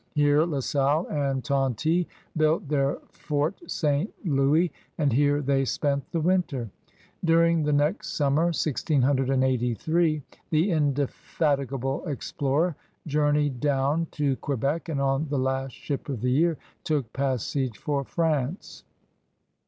Here La Salle and Tonty built their Fort St. Louis and here they spent the winter. During the next summer (1683) the indefatigable explorer journeyed down to Quebec, and on the last ship of the year took passage for France.